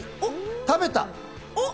食べた。